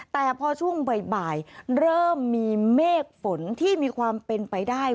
แต่พอช่วงบ่ายเริ่มมีเมฆฝนที่มีความเป็นไปได้